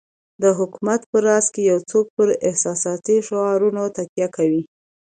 د حکومت په راس کې یو څوک پر احساساتي شعارونو تکیه کوي.